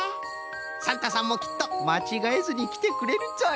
サンタさんもきっとまちがえずにきてくれるぞい。